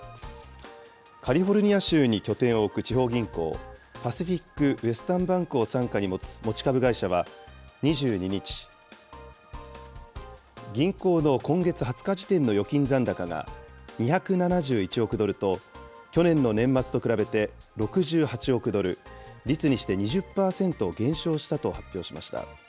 カリフォルニア州に拠点を置く地方銀行、パシフィック・ウェスタン・バンクを傘下に持つ持ち株会社は２２日、銀行の今月２０日時点の預金残高が、２７１億ドルと、去年の年末と比べて、６８億ドル、率にして２０％減少したと発表しました。